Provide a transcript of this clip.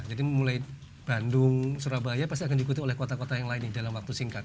jadi mulai bandung surabaya pasti akan diikuti oleh kota kota yang lainnya dalam waktu singkat